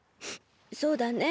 そうだね。